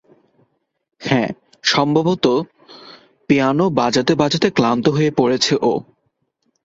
হ্যাঁ, সম্ভবত পিয়ানো বাজাতে বাজাতে ক্লান্ত হয়ে পড়েছে ও।